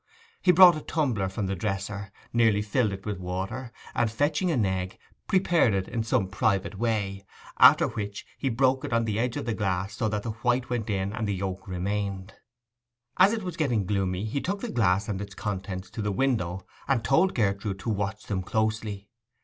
He brought a tumbler from the dresser, nearly filled it with water, and fetching an egg, prepared it in some private way; after which he broke it on the edge of the glass, so that the white went in and the yolk remained. As it was getting gloomy, he took the glass and its contents to the window, and told Gertrude to watch them closely.